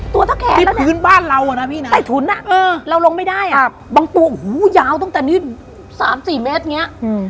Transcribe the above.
ตัวเท่าแขนแล้วเนี่ยใต้ถุนอ่ะเราลงไม่ได้อ่ะบางตัวโอ้โหยาวตั้งแต่นี้๓๔เมตรอย่างนี้